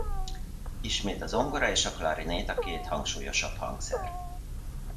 Ismét a zongora és a klarinét a két hangsúlyosabb hangszer.